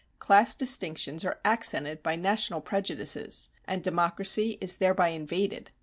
Class distinctions are accented by national prejudices, and democracy is thereby invaded.